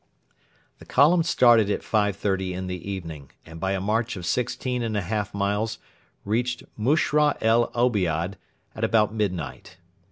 The column started at 5.30 in the evening, and by a march of sixteen and a half miles reached Mushra el Obiad at about midnight.